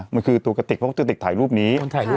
มันคือตัวกระติกเพราะกระติกถ่ายรูปนี้